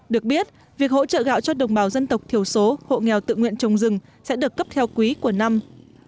được biết việc hỗ trợ gạo cho đồng bào dân tộc thiểu số hộ nghèo tự nguyện trồng rừng sẽ được cấp theo quý của năm